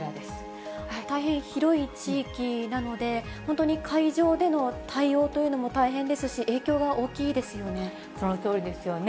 大変広い地域なので、本当に会場での対応というのも大変ですし、影響が大きいですよね。